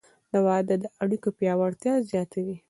• واده د اړیکو پیاوړتیا زیاتوي.